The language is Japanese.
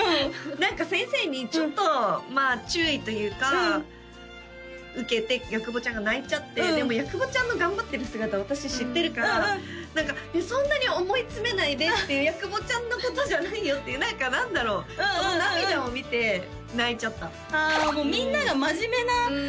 何か先生にちょっと注意というか受けて矢久保ちゃんが泣いちゃってでも矢久保ちゃんの頑張ってる姿私知ってるから何かそんなに思い詰めないでっていう矢久保ちゃんのことじゃないよっていう何か何だろうその涙を見て泣いちゃったあもうみんなが真面目なのね